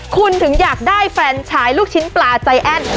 คุณถึงอยากได้แฟนชายลูกชิ้นปลาใจแอ้น